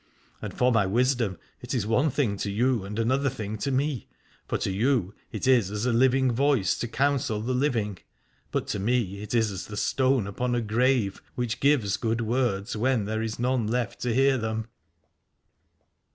And for my wisdom, it is one thing to you and another thing to me : for to you it is as a living voice, to counsel the living, but to me it is as the stone upon a grave, which gives good words when there is none left to hear them.